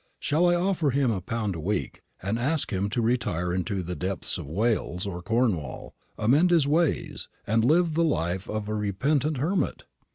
Shall I offer him a pound a week, and ask him to retire into the depths of Wales or Cornwall, amend his ways, and live the life of a repentant hermit?